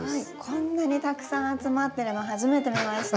こんなにたくさん集まってるの初めて見ました。